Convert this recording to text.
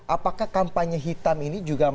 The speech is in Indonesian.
apakah kampanye hitam ini juga masuk ke dalam kampanye ini